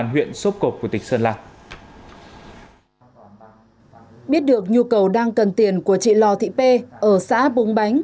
huyện sốp cộp của tịch sơn lạc biết được nhu cầu đang cần tiền của chị lò thị p ở xã búng bánh